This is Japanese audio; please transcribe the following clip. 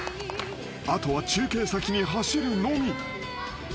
［後は中継先に走るのみ］